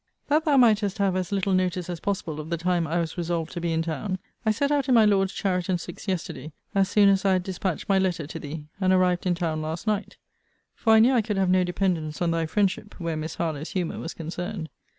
That thou mightest have as little notice as possible of the time I was resolved to be in town, I set out in my Lord's chariot and six yesterday, as soon as I had dispatched my letter to thee, and arrived in town last night: for I knew I could have no dependence on thy friendship where Miss Harlowe's humour was concerned.